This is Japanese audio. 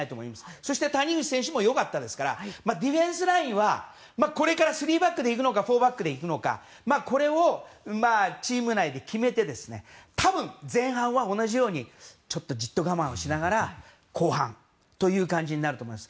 そして、谷口選手も良かったですからディフェンスラインはこれから３バックでいくのか４バックでいくのかこれをチーム内で決めて多分、前半は同じようにじっと我慢をしながら後半という感じになると思います。